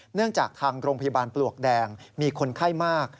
เนื่องจากทางโรงพยาบาลปลวกแดงมีคนไข้มาก